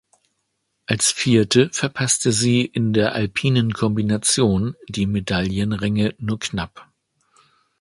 Als Vierte verpasste sie in der Alpinen Kombination die Medaillenränge nur knapp.